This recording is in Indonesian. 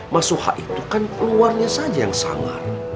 mas suha itu kan luarnya saja yang sangar